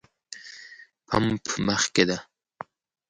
پمپ مخکې ده